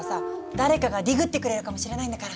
誰かがディグってくれるかもしれないんだから。